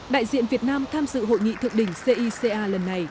đại diện việt nam tham dự hội nghị thượng đỉnh cica lần này